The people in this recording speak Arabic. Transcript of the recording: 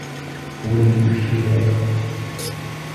أريد الشراء.